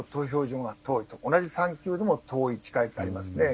同じ３級でも遠い近いというのがありますね。